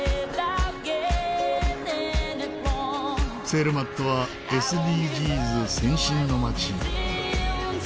ツェルマットはＳＤＧｓ先進の町。